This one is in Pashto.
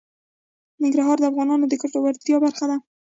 ننګرهار د افغانانو د ګټورتیا برخه ده.